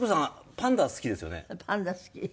パンダ好き。